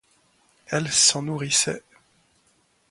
Elle s’en nourrissait.